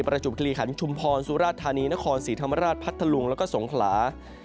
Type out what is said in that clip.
จุบคลีขันชุมพรสุราธานีนครศรีธรรมราชพัทธลุงแล้วก็สงขลา